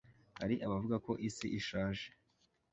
Hari abavuga ko isi ishaje